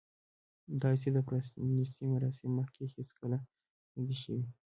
داسې د پرانیستې مراسم مخکې هیڅکله نه دي شوي.